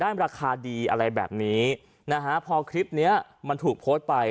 ราคาดีอะไรแบบนี้นะฮะพอคลิปเนี้ยมันถูกโพสต์ไป